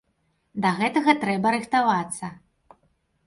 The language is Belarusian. Да гэтага трэба рыхтавацца.